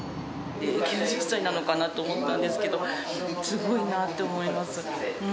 ９０歳なのかなと思ったんですけど、すごいなって思います。